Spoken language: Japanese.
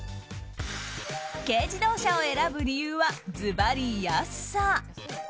軽自動車を選ぶ理由はずばり安さ！